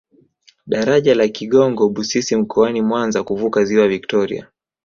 Daraja la Kigongo Busisi mkoani mwanza kuvuka ziwa viktoria